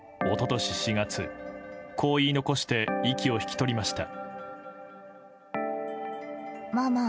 一昨年４月、こう言い残して息を引き取りました。